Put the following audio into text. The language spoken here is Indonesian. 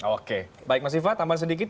oke baik mas viva tambah sedikit